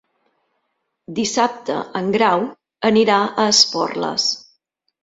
Dissabte en Grau anirà a Esporles.